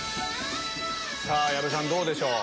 矢部さんどうでしょう？